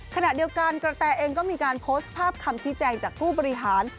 ขณะเดียวกันกระแตเองก็มีการโพสต์ภาพคำชี้แจงจากผู้บริหาร